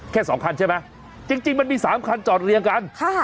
แค่สองคันใช่ไหมจริงมันมีสามคันจอดเรียงกันค่ะ